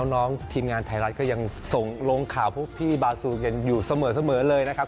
น้องทีมงานไทยรัฐก็ยังส่งลงข่าวพวกพี่บาซูกันอยู่เสมอเลยนะครับ